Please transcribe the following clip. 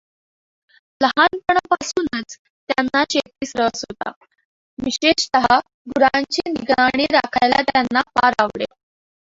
लहानपणापासूनच त्यांना शेतीत रस होता, विशेषतः गुरांची निगराणी राखायला त्यांना फार आवडे.